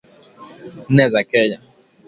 nne za Kenya